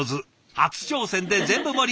初挑戦で全部盛り！